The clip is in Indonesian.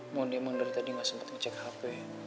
mondi emang dari tadi gak sempet ngecek hp